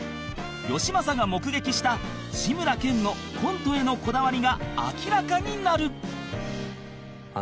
よしまさが目撃した志村けんのコントへのこだわりが明らかになる